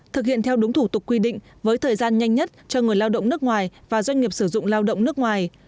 thực hiện theo đúng thủ tục quy định với thời gian nhanh nhất cho người lao động nước ngoài và doanh nghiệp sử dụng lao động nước ngoài